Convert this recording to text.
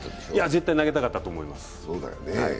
絶対投げたかったと思います。